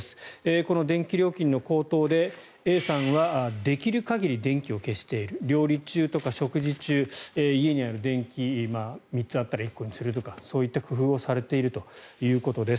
この電気料金の高騰でＡさんはできる限り電気を消している料理中とか食事中家にある電気３つあったら１個にするとかそういった工夫をされているということです。